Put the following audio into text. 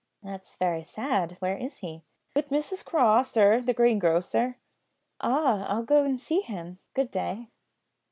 "That's very sad; where is he?" "With Mrs Craw, sir, the greengrocer." "Ah, I'll go and see him. Good day."